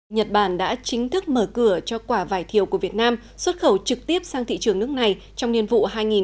nhật bản đã chính thức mở cửa cho quả vải thiều của việt nam xuất khẩu trực tiếp sang thị trường nước này trong niên vụ hai nghìn hai mươi